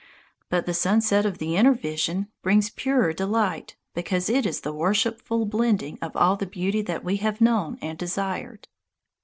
But the sunset of the inner vision brings purer delight because it is the worshipful blending of all the beauty that we have known and desired.